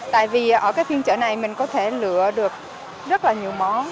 tại vì ở cái phiên chợ này mình có thể lựa được rất là nhiều món